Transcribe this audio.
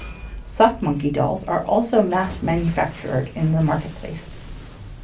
Sock monkey dolls are also mass-manufactured in the marketplace.